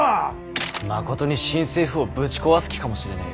まことに新政府をぶち壊す気かもしれねぇ。